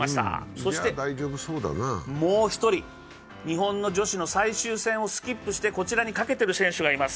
そしてもう１人、日本の女子の最終戦をスキップしてこちらにかけてる選手がいます。